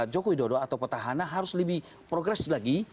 joko widodo atau petahana harus lebih progress lagi